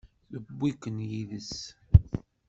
Tewwi-ken yid-s?